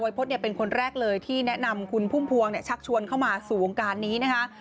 พฤษเป็นคนแรกเลยที่แนะนำคุณพุ่มพวงชักชวนเข้ามาสู่วงการนี้นะคะ